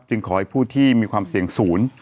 ขอให้ผู้ที่มีความเสี่ยงศูนย์